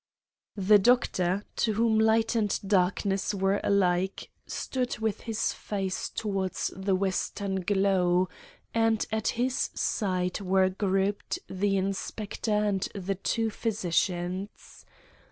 The Doctor, to whom light and darkness were alike, stood with his face towards the western glow, and at his side were grouped the Inspector and the two physicians.